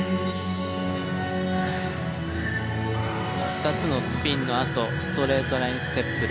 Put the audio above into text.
２つのスピンのあとストレートラインステップです。